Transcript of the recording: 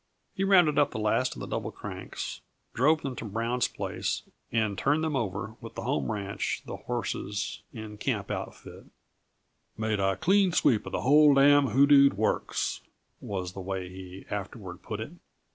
He rounded up the last of the Double Cranks, drove them to Brown's place and turned them over, with the home ranch, the horses, and camp outfit "made a clean sweep uh the whole damn', hoodooed works," was the way he afterward put it.